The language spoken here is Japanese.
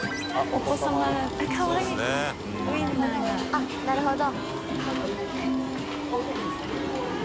あっなるほど。